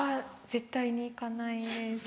絶対に行かないで。